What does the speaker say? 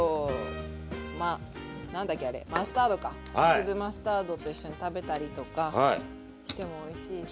粒マスタードと一緒に食べたりとかしてもおいしいし。